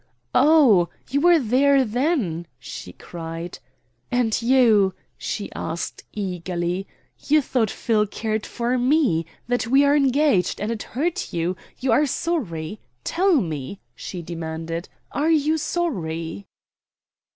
"Oh, you were there, then," she cried. "And you?" she asked eagerly "you thought Phil cared for me that we are engaged, and it hurt you; you are sorry? Tell me," she demanded, "are you sorry?"